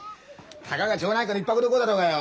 たかが町内会の１泊旅行だろうがよ。